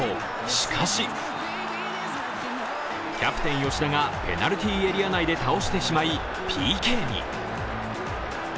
しかしキャプテン・吉田がペナルティーエリアで倒してしまい、ＰＫに。